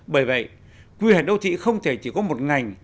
bởi vậy quy hoạch đô thị không thể chỉ có một ngành